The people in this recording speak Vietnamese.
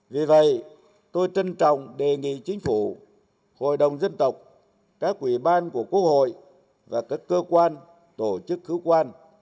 vì vậy tôi trân trọng đề nghị chính phủ hội đồng dân tộc các ủy ban của quốc hội và các cơ quan tổ chức hữu quan